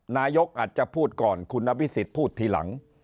นายกอาจจะพูดก่อนคุณอภิษฎพูดทีหลัง